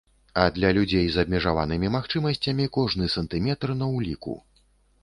А для людзей з абмежаванымі магчымасцямі кожны сантыметр на уліку.